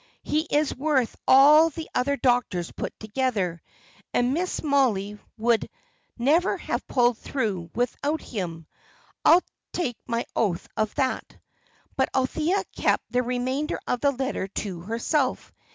"He is worth all the other doctors put together; and Miss Mollie would never have pulled through without him, I'll take my oath of that." But Althea kept the remainder of the letter to herself.